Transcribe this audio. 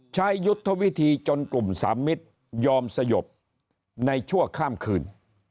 ยุทธวิธีจนกลุ่มสามมิตรยอมสยบในชั่วข้ามคืน